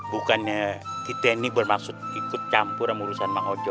bukannya kita ini bermaksud ikut campuran urusan mang ojo